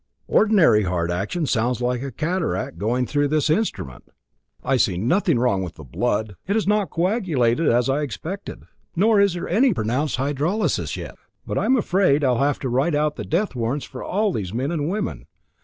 Ordinary heart action sounds like a cataract through this instrument. I can see nothing wrong with the blood; it has not coagulated as I expected, nor is there any pronounced hydrolysis as yet. But I'm afraid I'll have to write out the death warrants for all these men and women.